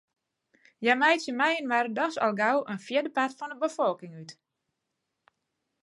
Hja meitsje mei-inoar dochs al gau in fjirdepart fan 'e befolking út.